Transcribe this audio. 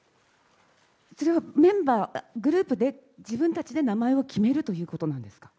メンバー、グループで自分たちで名前を決めるということなんですか。